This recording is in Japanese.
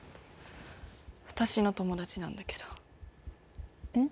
私の友達なんだけどえっ？